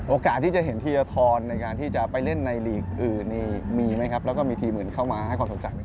โอกาสที่จะเห็นธีรทรในการที่จะไปเล่นในหลีกอื่นนี่มีไหมครับแล้วก็มีทีมอื่นเข้ามาให้ความสนใจ